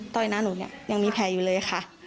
ยหน้าหนูเนี่ยยังมีแผลอยู่เลยค่ะ